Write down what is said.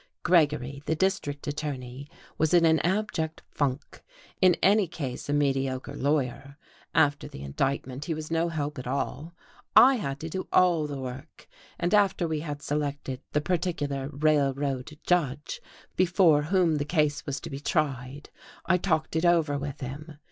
Gregory, the district attorney, was in an abject funk; in any case a mediocre lawyer, after the indictment he was no help at all. I had to do all the work, and after we had selected the particular "Railroad" judge before whom the case was to be tried, I talked it over with him.